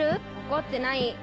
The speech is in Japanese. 怒ってない。